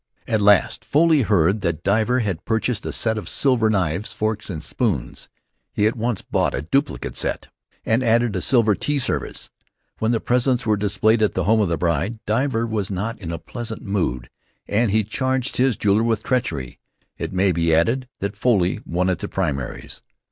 At last Foley heard that Divver had purchased a set of silver knives, forks and spoons. He at once bought a duplicate set and added a silver tea service. When the presents were displayed at the home of the bride, Divver was not in a pleasant mood and he charged his jeweler with treachery. It may be added that Foley won at the primaries.